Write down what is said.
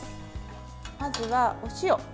まずは、お塩。